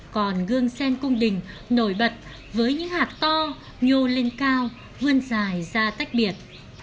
còn gương sen cung đình nổi bật với những hạt to nhô lên cao vươn dài ra tách biệt